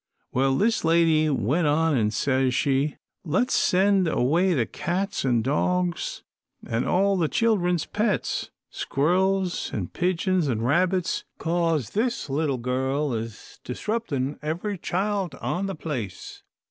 Well, this lady went on an' says she, 'Let's send away the cats an' dogs an' all the children's pets squirrels an' pigeons an' rabbits, 'cause this little girl's disruptin' every child on the place.